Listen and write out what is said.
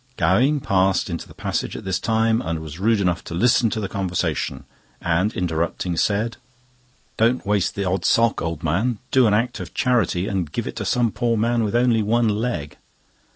Gowing passed into the passage at this time and was rude enough to listen to the conversation, and interrupting, said: "Don't waste the odd sock, old man; do an act of charity and give it to some poor man with only one leg."